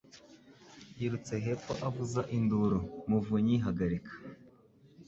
Yirutse hepfo avuza induru, Muvunyi, hagarika!